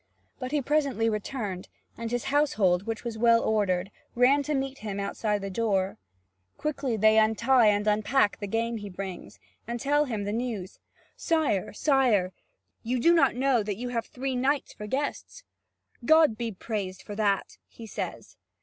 But he presently returned, and his household, which was well ordered, ran to meet him outside the door. Quickly they untie and unpack the game he brings, and tell him the news: "Sire, sire, you do not know that you have three knights for guests." "God be praised for that," he says.